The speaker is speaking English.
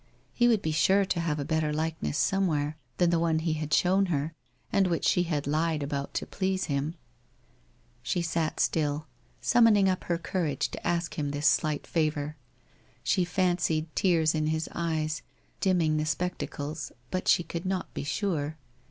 He would be sure to have a better Likeness somewhere than the one he had shown her, and which she ha<l Lied about to please him? ... she sat till, summoning up her 28 434. WHITE ROSE OF WEARY LEAF courage to ask him this slight favour. ... She fancied tears in his eyes, dimming the spectacles, but she could not be sure? ..